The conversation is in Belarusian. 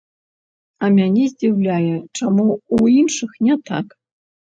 А мяне здзіўляе, чаму ў іншых не так?